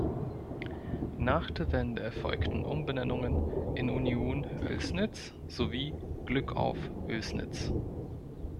Nach der Wende erfolgten Umbenennungen in "Union Oelsnitz" sowie "Glückauf Oelsnitz".